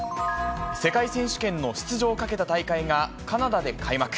世界選手権の出場をかけた大会がカナダで開幕。